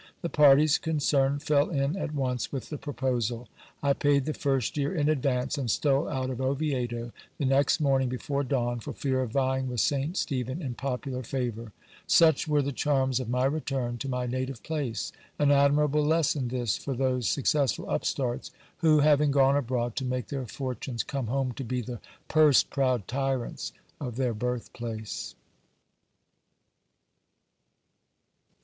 The parties concerned fell in at once with the proposal : I paid the first year in advance, and stole out of Oviedo the next morning before dawn, for fear of vying with Saint Stephen in popular favour. Such were the charms of my return to my native place. An admirable lesson this for those successful upstarts, who having gone abroad to make their fortunes, come home to be the purse proud tyrants of their birth place.